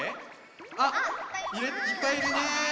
あっいっぱいいるね！